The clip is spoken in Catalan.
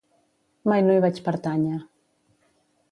Mai no hi vaig pertànyer.